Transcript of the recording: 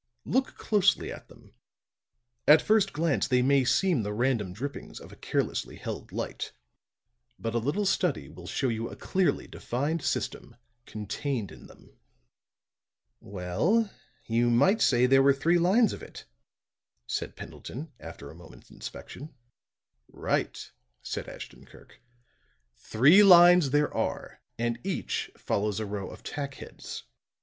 Look closely at them. At first glance they may seem the random drippings of a carelessly held light. But a little study will show you a clearly defined system contained in them." "Well, you might say there were three lines of it," said Pendleton, after a moment's inspection. "Right," said Ashton Kirk. "Three lines there are, and each follows a row of tack heads.